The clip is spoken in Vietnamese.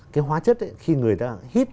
cái hóa chất ấy khi người ta hít